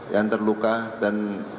yang terluka dan